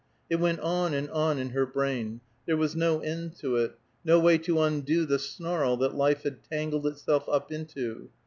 It went on and on, in her brain; there was no end to it; no way to undo the snarl that life had tangled itself up into.